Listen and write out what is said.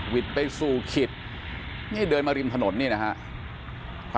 วิดไปสู่ขิดเดินมาริมถนนนี่นะครับ